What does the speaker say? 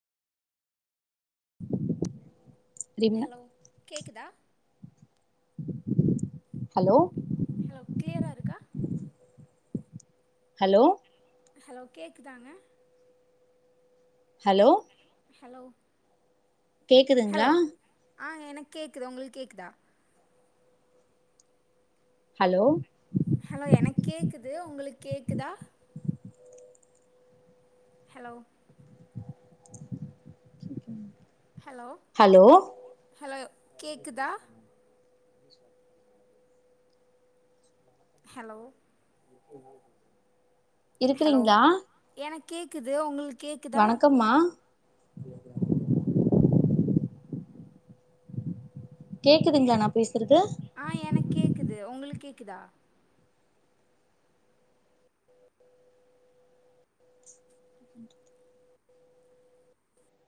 திம்ன hello கேக்குதா hello hello கிளியராருக்கா hello hello கேக்குதாங்க ஹலோ ஹலோ கேக்குதுங்ளா ஹலோ ஆ எனக்கு கேக்குது உங்களுக்கு கேக்குதா ஹலோ ஹலோ எனக் கேக்குது உங்களுக்கு கேக்குதா ஹலோ ஹலோ ஹலோ ஹலோ கேக்குதா ஹலோ உ [unintelligible] ஹலோ எனக் கேக்து உங்களுக்கு கேக்தா சொல்லு மா கேக்குதுகளா நா பேசுறது ஆ எனக் கேக்குது உங்களுக்கு கேக்தா